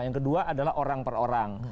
yang kedua adalah orang per orang